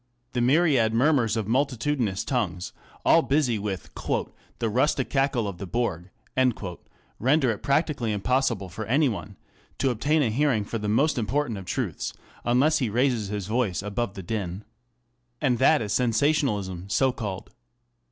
The myriad murmurs of multitudinous tongues, all busy with " the rustic cackle of the bourg," render it practically impossible for any one to obtain a hearing for the most important of truths, unless he raises his voice above the din. And that is sensationalism so called.